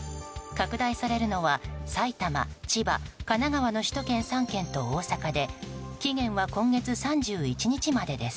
拡大されるのは、埼玉、千葉神奈川の首都圏３県と大坂で期限は今月３１日までです。